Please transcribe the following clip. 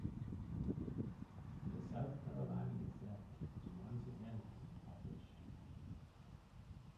The "South Carolina Gazette" is once again being published.